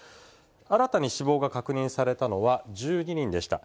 新たに死亡が確認されたのは１２人でした。